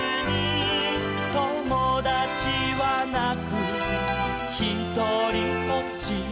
「ともだちはなくひとりぽっち」